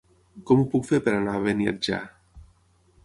Com ho puc fer per anar a Beniatjar?